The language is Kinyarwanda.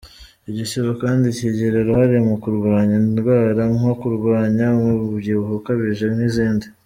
Igisibo kandi kigira uruhare mu kurwanya indwara nko kurwanya umubyibuho ukabije n’izindi.